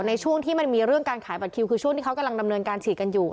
ในช่วงที่มันมีเรื่องการขายบัตรคิวคือช่วงที่เขากำลังดำเนินการฉีดกันอยู่